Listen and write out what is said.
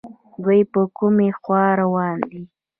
دوی په کومې خوا روان دي